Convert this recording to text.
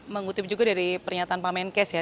mengutip juga dari pernyataan pak menkes ya